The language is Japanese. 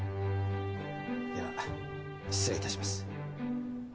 では失礼致します。